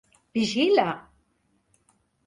Vigila!